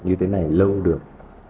như thế này lâu được